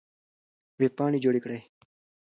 وېبپاڼې جوړې کړئ.